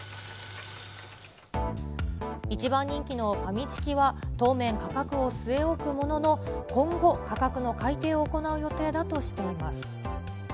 一番人気のファミチキは、当面、価格を据え置くものの、今後、価格の改定を行う予定だとしています。